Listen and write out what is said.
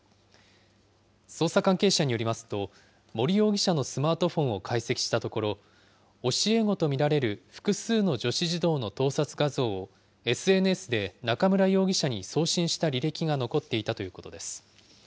捜査関係者によりますと、森容疑者のスマートフォンを解析したところ、教え子と見られる複数の女子児童の盗撮画像をＳＮＳで中村容疑者に送信した履歴が残っていたということです。